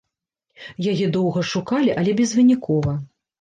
Яе доўга шукалі, але безвынікова.